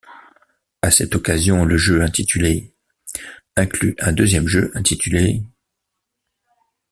À cette occasion, le jeu, intitulé ', inclut un deuxième jeu intitulé '.